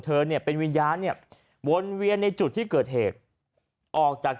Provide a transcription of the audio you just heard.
เนี่ยเป็นวิญญาณเนี่ยวนเวียนในจุดที่เกิดเหตุออกจาก